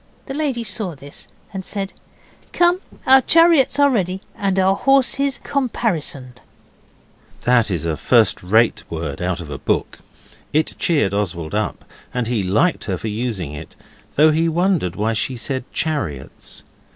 The lady saw this, and said 'Come, our chariots are ready, and our horses caparisoned.' That is a first rate word out of a book. It cheered Oswald up, and he liked her for using it, though he wondered why she said chariots.